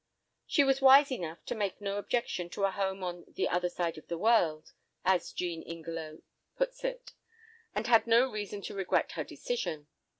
She was wise enough to make no objection to a home on "the other side of the world," as Jean Ingelow puts it, and had no reason to regret her decision.